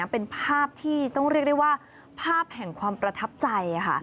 เป็นภาพที่ต้องเรียกได้ว่าภาพแห่งความประทับใจค่ะ